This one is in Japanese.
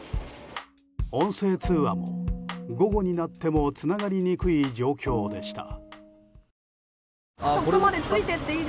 音声通話も、午後になってもつながりにくい状況でした。